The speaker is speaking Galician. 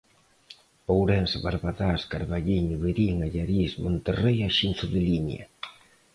Ourense, Barbadás, Carballiño, Verín, Allariz, Monterrei e Xinzo de Limia.